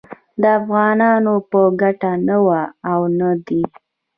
د افغانانو په ګټه نه و او نه دی